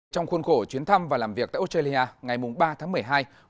trong khuôn khổ chuyến thăm và làm việc tại australia ngày ba tháng một mươi hai